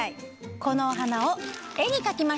このお花をえに描きましょう。